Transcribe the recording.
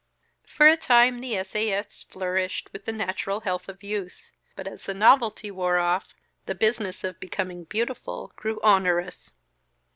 For a time the S. A. S. flourished with the natural health of youth, but as the novelty wore off, the business of becoming beautiful grew onerous.